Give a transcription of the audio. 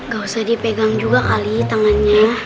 gak usah dipegang juga kali tangannya